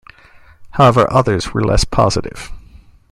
However others were less positive.